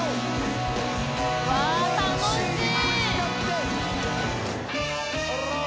わ楽しい！